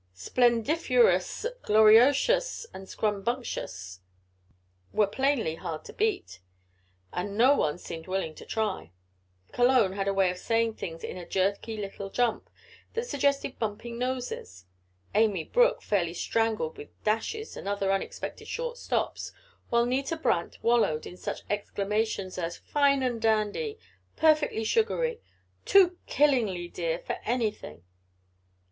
"Splendifiorous, glorioutious and scrambunctious," were plainly hard to beat, and no one seemed willing to try. Cologne had a way of saying things in a jerky little jump that suggested bumping noses, Amy Brook fairly strangled with dashes and other unexpected shorts stops, while Nita Brant "wallowed" in such exclamations as: "Fine and dandy! Perfectly sugary! Too killingly, dear, for anything!"